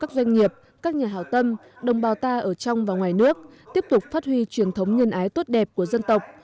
các doanh nghiệp các nhà hào tâm đồng bào ta ở trong và ngoài nước tiếp tục phát huy truyền thống nhân ái tốt đẹp của dân tộc